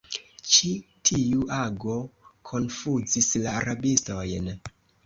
Ĉi tiu ago konfuzis la rabistojn.